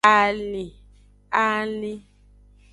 Alin.